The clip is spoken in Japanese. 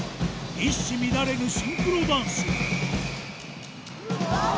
一糸乱れぬシンクロダンス。